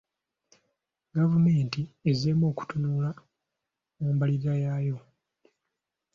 Gavumenti ezzeemu okutunula mu mbalirira yaayo.